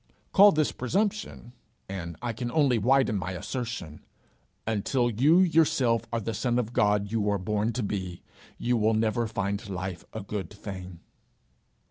Call this presumption, and I can only widen my assertion: until you yourself are the son of God you were born to be, you will never find life a good thing.